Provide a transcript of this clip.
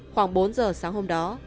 khoảng bốn giờ sáng hôm đó